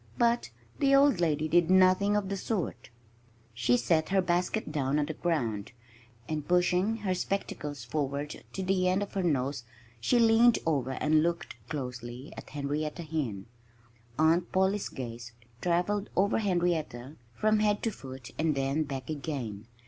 But the old lady did nothing of the sort. She set her basket down on the ground; and pushing her spectacles forward to the end of her nose, she leaned over and looked closely at Henrietta Hen. Aunt Polly's gaze travelled over Henrietta from head to foot and then back again.